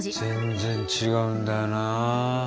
全然違うんだよな。